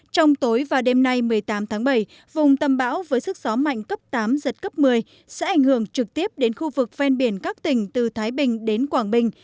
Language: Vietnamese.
trong tối và đêm nay một mươi tám tháng bảy vùng tâm bão với sức gió mạnh cấp tám giật cấp một mươi sẽ ảnh hưởng trực tiếp đến khu vực ven biển các tỉnh từ thái bình đến quảng bình